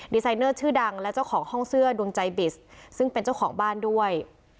ไซเนอร์ชื่อดังและเจ้าของห้องเสื้อดวงใจบิสซึ่งเป็นเจ้าของบ้านด้วย